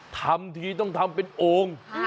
ทำทีต้องทำเป็นโอ่ง